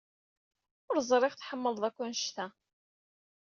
Ur ẓriɣ tḥemmled akk anect-a.